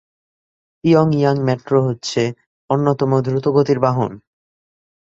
পিয়ং ইয়াং মেট্রো হচ্ছে অন্যতম দ্রুতগতির বাহন।